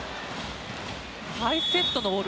ハイセットのボール